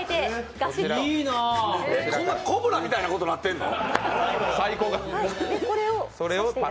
こんなコブラみたいなことなってんの？